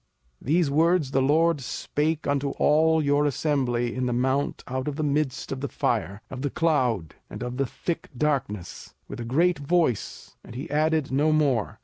05:005:022 These words the LORD spake unto all your assembly in the mount out of the midst of the fire, of the cloud, and of the thick darkness, with a great voice: and he added no more.